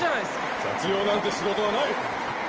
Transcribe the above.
雑用なんて仕事はない！